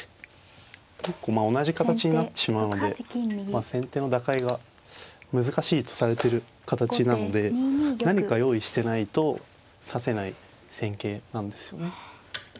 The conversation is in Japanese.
結構まあ同じ形になってしまうので先手の打開が難しいとされてる形なので何か用意してないと指せない戦型なんですよね。